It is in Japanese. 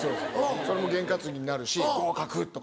それも験担ぎになるし「合格」とか。